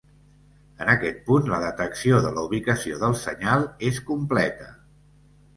En aquest punt la detecció de la ubicació del senyal és completa.